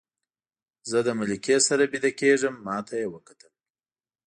زه له ملکې سره ویده کېږم، ما ته یې وکتل.